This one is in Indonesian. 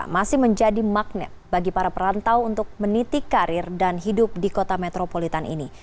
masih menjadi magnet bagi para perantau untuk menitik karir dan hidup di kota metropolitan ini